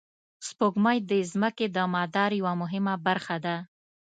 سپوږمۍ د ځمکې د مدار یوه مهمه برخه ده